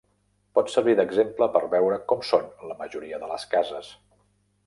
Pot servir d'exemple per veure com són la majoria de les cases.